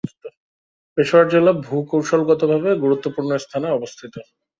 পেশাওয়ার জেলা ভূ-কৌশলগতভাবে গুরুত্বপূর্ণ স্থানে অবস্থিত।